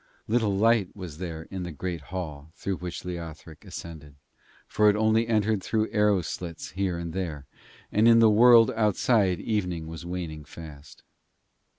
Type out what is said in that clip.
Little light was there in the great hall through which Leothric ascended, for it only entered through arrow slits here and there, and in the world outside evening was waning fast.